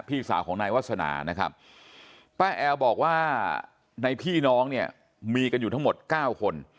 พี่สาวของนายวาสนานะครับป้าแอลบอกว่าในพี่น้องเนี่ยมีกันอยู่ทั้งหมด๙คน